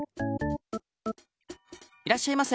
いらっしゃいませ。